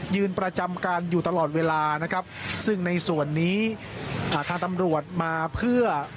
ประจำการอยู่ตลอดเวลานะครับซึ่งในส่วนนี้อ่าทางตำรวจมาเพื่อ